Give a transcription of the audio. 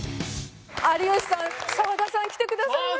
有吉さん澤田さん来てくださいました。